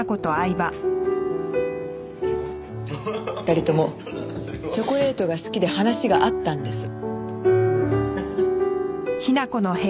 ２人ともチョコレートが好きで話が合ったんです。